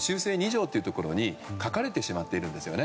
２条というところに書かれてしまっているんです。